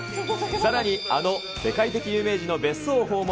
さらにあの世界的有名人の別荘を訪問。